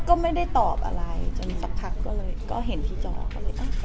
ก็ไม่ได้ตอบอะไรจนสักพักก็เห็นที่จอก็เลยโอเค